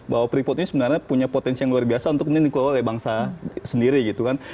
bahwa freeport ini sebenarnya punya potensi yang luar biasa untuk kemudian dikelola oleh bangsa sendiri gitu kan